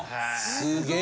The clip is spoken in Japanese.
すげえ。